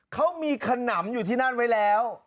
เขามีขนำอยู่ที่นั่นไว้แล้ว